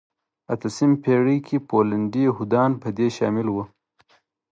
اتلمسې پېړۍ کې پولنډي یهودان په دې شامل وو.